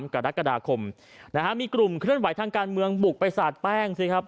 กรกฎาคมนะฮะมีกลุ่มเคลื่อนไหวทางการเมืองบุกไปสาดแป้งสิครับ